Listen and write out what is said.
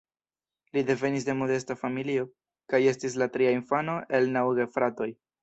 Li devenis de modesta familio kaj estis la tria infano el naŭ gefratoj.